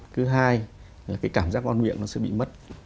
cứ hai là cái cảm giác ngon miệng nó sẽ bị mất